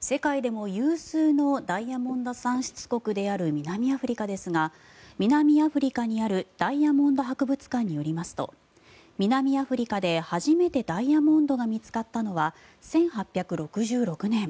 世界でも有数のダイヤモンド産出国である南アフリカですが南アフリカにあるダイヤモンド博物館によりますと南アフリカで初めてダイヤモンドが見つかったのは１８６６年。